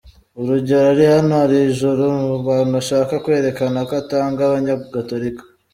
Urugero ari hano iri joro, mu bantu ashaka kwerekana ko atanga abanyagatolika.